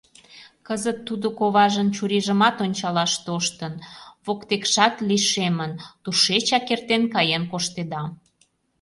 Кызыт тудо коважын чурийжымат ончалаш тоштын, воктекшат лишемын, тушечак эртен каен коштеда.